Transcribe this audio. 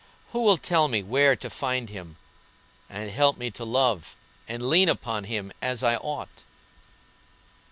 Who will tell me where to find Him, and help me to love and lean upon Him as I ought?"